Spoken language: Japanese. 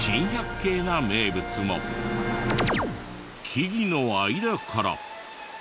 木々の間から。